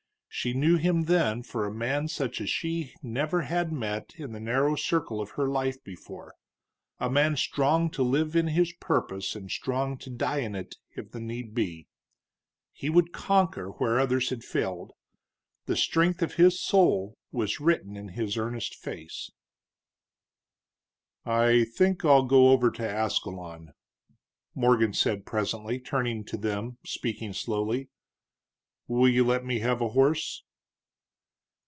She knew him then for a man such as she never had met in the narrow circle of her life before, a man strong to live in his purpose and strong to die in it if the need might be. He would conquer where others had failed; the strength of his soul was written in his earnest face. "I think I'll go over to Ascalon," Morgan said presently, turning to them, speaking slowly. "Will you let me have a horse?"